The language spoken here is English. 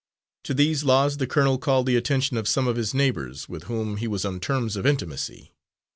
To these laws the colonel called the attention of some of his neighbours with whom he was on terms of intimacy.